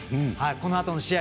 このあとの試合